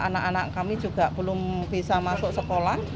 anak anak kami juga belum bisa masuk sekolah